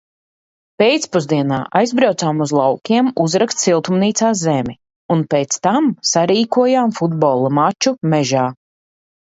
Pēcpusdienā aizbraucām uz laukiem uzrakt siltumnīcā zemi un pēc tam sarīkojām futbola maču mežā.